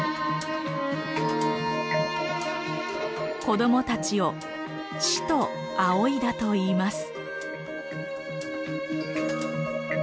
子どもたちを師と仰いだといいます。